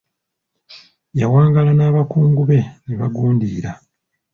Yawangaala n'abakungu be ne bagundiira.